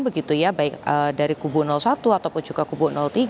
begitu ya baik dari kubu satu ataupun juga kubu tiga